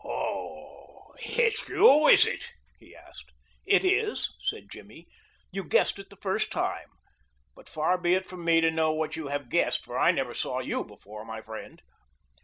"Oh, it's you, is it?" he asked. "It is," said Jimmy; "you guessed it the first time, but far be it from me to know what you have guessed, as I never saw you before, my friend."